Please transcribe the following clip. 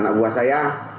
anak buah saya